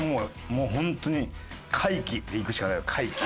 もう本当に怪奇でいくしかないよ怪奇。